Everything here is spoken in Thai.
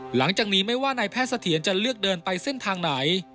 หลังจากนี้ไม่ว่านายแพทย์เสถียรจะเลือกเดินไปเส้นทางไหน